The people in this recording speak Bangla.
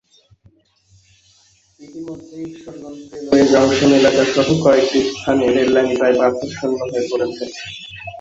ইতিমধ্যে ঈশ্বরগঞ্জ রেলওয়ে জংশন এলাকাসহ কয়েকটি স্থানে রেললাইন প্রায় পাথরশূন্য হয়ে পড়েছে।